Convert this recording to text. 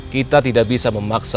kita tidak bisa memaksa